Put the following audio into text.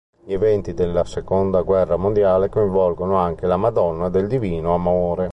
Gli eventi della seconda guerra mondiale coinvolgono anche la Madonna del Divino Amore.